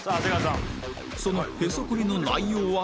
そのへそくりの内容は？